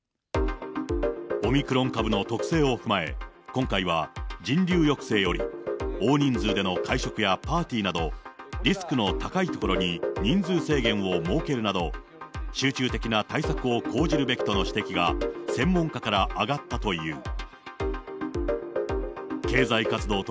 オミクロン株の特性を踏まえ、今回は、人流抑制より大人数での会食やパーティーなど、リスクの高いところに人数制限を設けるなど、集中的な対策を講じるべきとの指摘が専門家から上がったという。